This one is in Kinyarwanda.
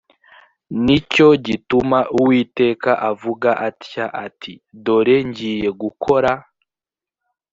ni cyo gituma uwiteka avuga atya ati dore ngiye gukora